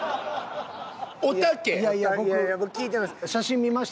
いやいや僕写真見ました